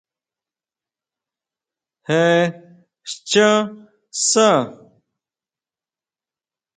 Jé schá sá?